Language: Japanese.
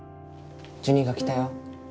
ジュニが来たよ。